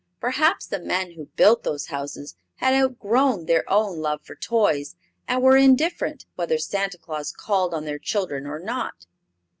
Perhaps the men who built those houses had outgrown their own love for toys, and were indifferent whether Santa Claus called on their children or not.